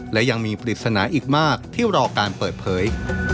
และยังมีปริศนาอีกมากที่รอการเปิดเผย